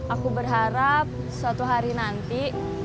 aku berharap suatu hari nanti